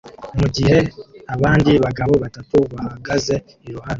mugihe abandi bagabo batatu bahagaze iruhande